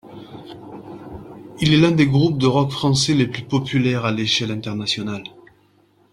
Il est l'un des groupes de rock français les plus populaires à l'échelle internationale.